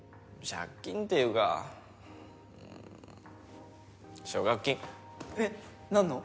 借金っていうか奨学金えっ何の？